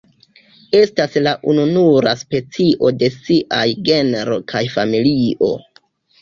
Estas la ununura specio de siaj genro kaj familio.